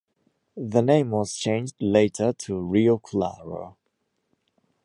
The name was changed later to "Rio Claro".